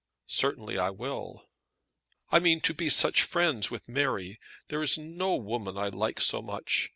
"Certainly I will." "I mean to be such friends with Mary. There is no woman I like so much.